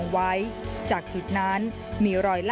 สุดท้ายสุดท้าย